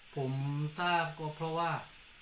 ผมทราบก็เพราะว่า